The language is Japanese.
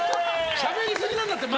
しゃべりすぎなんだって、前。